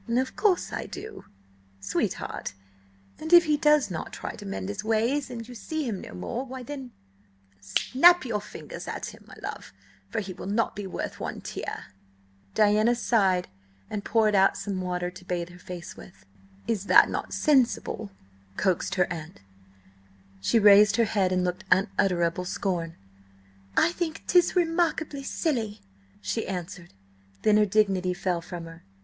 "Of course I do, sweetheart! And if he does not try to mend his ways, and you see him no more–why then, snap your fingers at him, my love, for he will not be worth one tear!" Diana sighed and poured out some water to bathe her face with. "Is not that sensible?" coaxed her aunt. She raised her head and looked unutterable scorn. "I think 'tis remarkable silly," she answered. Then her dignity fell from her.